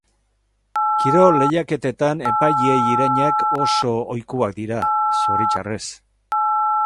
Kirol lehiaketetan epaileei irainak oso ohikoak dira, zoritxarrez.